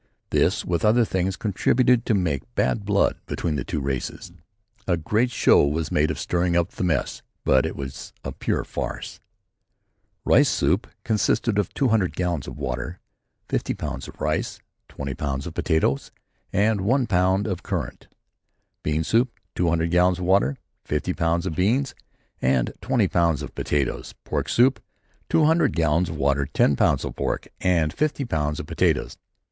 This, with other things, contributed to make bad blood between the two races. A great show was made of stirring up the mess, but it was a pure farce. [Illustration: RECIPES FROM CORPORAL EDWARD'S DIARY.] Rice soup consisted of two hundred gallons of water, fifty pounds of rice, twenty pounds of potatoes and one pound of currants; bean soup, two hundred gallons of water, fifty pounds of beans, and twenty pounds of potatoes; pork soup, two hundred gallons of water, ten pounds of pork and fifty pounds of potatoes.